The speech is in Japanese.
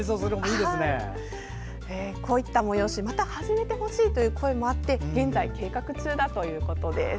こういった催しまた始めてほしいという声もあって現在計画中だということです。